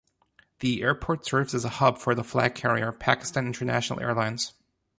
The airport serves as a hub for the flag carrier, Pakistan International Airlines.